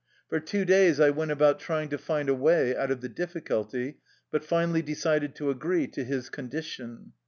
For two days I went about trying to find a way out of the difficulty, but finally decided to agree to his condition.